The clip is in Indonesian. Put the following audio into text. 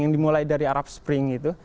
yang dimulai dari arab spring itu